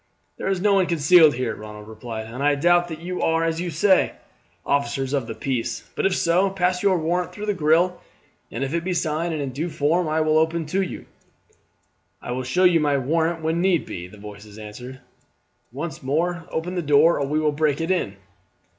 "There is no one concealed here," Ronald replied, "and I doubt that you are, as you say, officers of the peace; but if so, pass your warrant through the grill, and if it be signed and in due form I will open to you." "I will show my warrant when need be," the voice answered. "Once more, open the door or we will break it in."